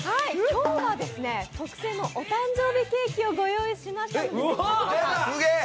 今日は、特製のお誕生日ケーキをご用意しました。